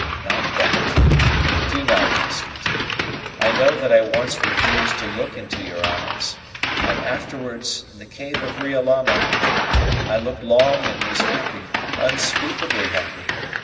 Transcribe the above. Not that do not ask it. I know that I once refused to look into your eyes, and afterwards, in the cave at Riolama, I looked long and was happy unspeakably happy!